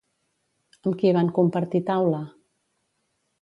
Amb qui van compartir taula?